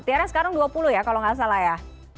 tiara sekarang dua puluh ya kalau nggak salah ya